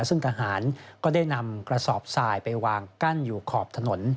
ซึ่งทหารก็ได้นำกระสอบทรายไปวางกั้นอยู่ขอบถนน